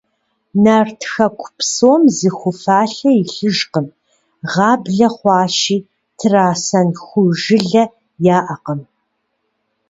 Нарт хэку псом зы ху фалъэ илъыжкъым, гъаблэ хъуащи, трасэн ху жылэ яӀэкъым.